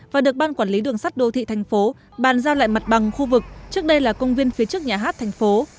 và được ban quản lý đường sắt đô thị thành phố bàn giao lại mặt bằng khu vực trước đây là công viên phía trước nhà hát thành phố